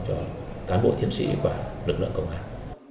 cho cán bộ chiến sĩ và lực lượng công an